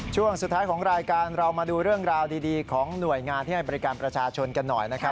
ช่วงสุดท้ายของรายการเรามาดูเรื่องราวดีของหน่วยงานที่ให้บริการประชาชนกันหน่อยนะครับ